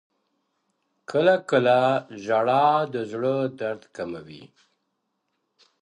• کله کله ژړا د زړه درد کموي.